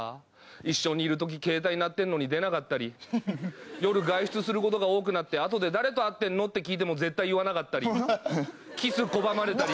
一緒にいる時ケータイ鳴ってんのに出なかったり夜外出することが多くなって誰と会ってんの？って聞いても絶対言わなかったりキス拒まれたり。